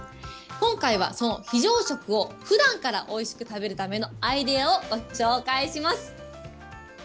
今回は、その非常食をふだんからおいしく食べるためのアイデアをご紹介します。